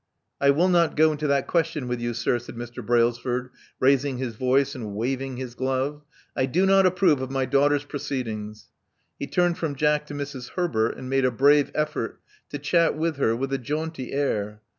*'I will not go into that question with you, sir," said Mr. Brailsford, raising his voice, and waving his glove. I do not approve of my daughter's proceedings." He turned from Jack to Mrs. Herbert, and made a brave effort to chat with her with a jaunty air.